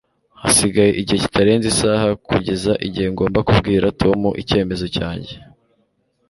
Hasigaye igihe kitarenze isaha kugeza igihe ngomba kubwira Tom icyemezo cyanjye.